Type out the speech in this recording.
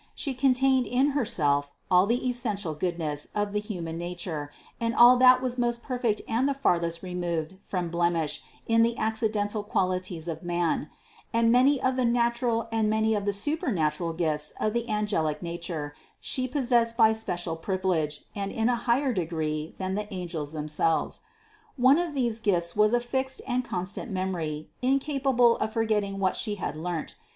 She contained in Herself all the essential good ness of the human nature and all that was most perfect and the farthest removed from blemish in the accidental qualities of man; and many of the natural and many of the supernatural gifts of the angelic nature She possessed by special privilege and in a higher degree than the an gels themselves. One of these gifts was a fixed and con stant memory, incapable of forgetting what She had learnt.